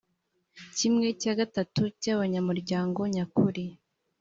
kimwe cya gatatu cy abanyamuryango nyakuri